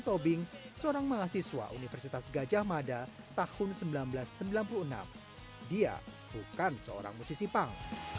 tobing seorang mahasiswa universitas gajah mada tahun seribu sembilan ratus sembilan puluh enam dia bukan seorang musisi punk